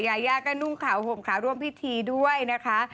ยายาก็นุ่งขาวห่มขาวร่วมพิธีด้วยนะคะ